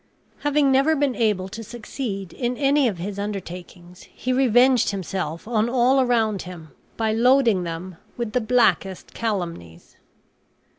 Having never been able to succeed in any of his undertakings, he revenged himself on all around him by loading them with the blackest calumnies.